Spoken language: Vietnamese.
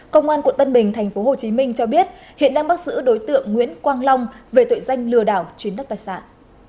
công an quận tân bình tp hcm cho biết hiện đang bắt giữ đối tượng nguyễn quang long về tội danh lừa đảo chuyến đất tài sản